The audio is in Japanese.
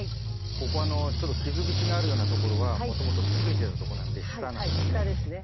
ここのちょっと傷口があるようなところはもともとついてたとこなんで下なんですね。